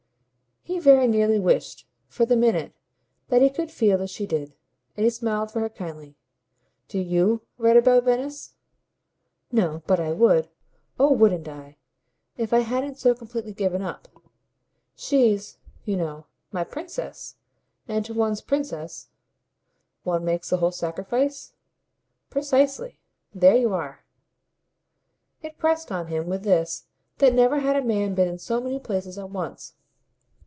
He very nearly wished, for the minute, that he could feel as she did; and he smiled for her kindly. "Do YOU write about Venice?" "No; but I would oh wouldn't I? if I hadn't so completely given up. She's, you know, my princess, and to one's princess " "One makes the whole sacrifice?" "Precisely. There you are!" It pressed on him with this that never had a man been in so many places at once.